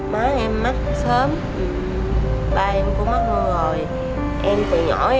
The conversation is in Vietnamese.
má em mất sớm ba em cũng mất mưa rồi